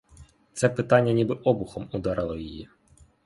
Це питання ніби обухом ударило її.